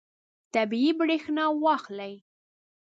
طبیعي برېښنا واخلئ.